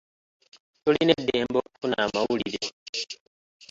Tulina eddembe okufuna amawulire.